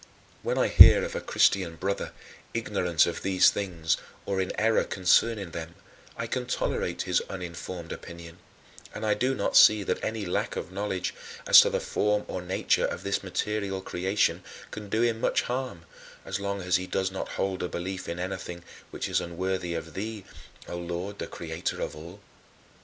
9. When I hear of a Christian brother, ignorant of these things, or in error concerning them, I can tolerate his uninformed opinion; and I do not see that any lack of knowledge as to the form or nature of this material creation can do him much harm, as long as he does not hold a belief in anything which is unworthy of thee, O Lord, the Creator of all.